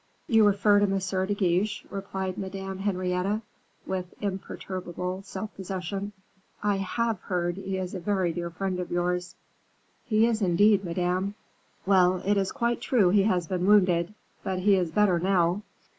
"You refer to M. de Guiche," replied Madame Henrietta, with imperturbable self possession; "I have heard he is a very dear friend of yours." "He is, indeed, Madame." "Well, it is quite true he has been wounded; but he is better now.